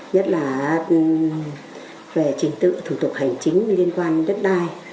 nhất là về trình tự thủ tục hành chính liên quan đến đất đai